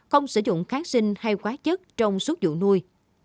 không sử dụng kháng sinh hay quá chất trong xuất dụng nuôi